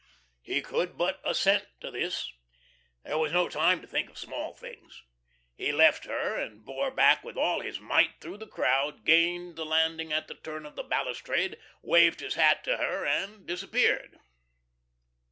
He could but assent to this. This was no time to think of small things. He left her and bore back with all his might through the crowd, gained the landing at the turn of the balustrade, waved his hat to her and disappeared.